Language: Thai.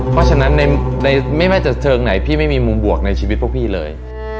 เพราะฉะนั้นไม่ว่าจะเชิงไหนพี่ไม่มีมุมบวกในชีวิตพวกพี่เลย